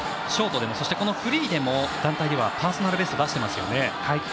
ショートでもフリーでも団体ではパーソナルベスト出していますね。